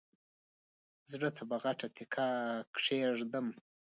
زړه ته به غټه تیګه کېږدم.